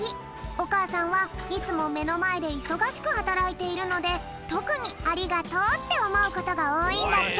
おかあさんはいつもめのまえでいそがしくはたらいているのでとくにありがとうっておもうことがおおいんだって。